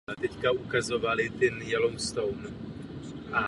Rybniční soustavy byly na území Čech a Moravy zakládány už od středověku.